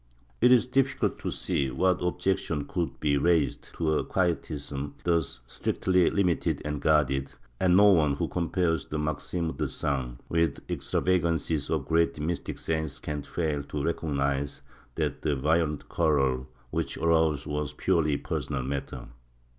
It is difficult to see what objection could be raised to a Quietism thus strictly limited and guarded, and no one who compares the Maximes des Saints with the extravagance of the great mystic saints can fail to recognize that the violent quarrel which arose was a purely personal matter.